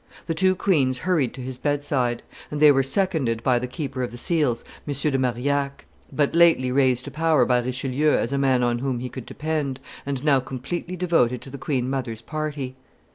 The two queens hurried to his bedside; and they were seconded by the keeper of the seals, M. de Marillac, but lately raised to power by Richelieu as a man on whom he could depend, and now completely devoted to the queen mother's party.